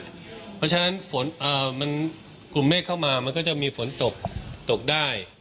เพราะฉะนั้นฝนเอ่อมันกลุ่มแม่เข้ามามันก็จะมีฝนตกตกได้